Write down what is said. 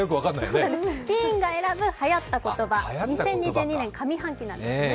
ティーンが選ぶはやった言葉上半期なんですね。